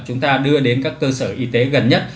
chúng ta đưa đến các cơ sở y tế gần nhất